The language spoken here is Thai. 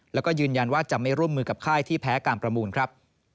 แล้วก็ยืนยันว่าจะไม่ร่วมมือกับค่ายที่แพ้การประมูลครับ